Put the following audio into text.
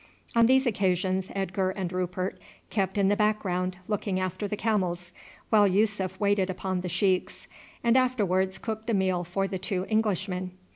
On these occasions Edgar and Rupert kept in the background looking after the camels, while Yussuf waited upon the sheiks, and afterwards cooked a meal for the two Englishmen.